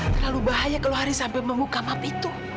terlalu bahaya kalau hari sampai membuka map itu